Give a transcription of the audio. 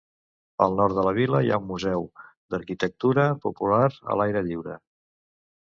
Al nord de la vila hi ha un Museu d'Arquitectura Popular a l'aire lliure.